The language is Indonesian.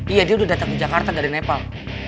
iya dia udah datang ke jakarta dari nepal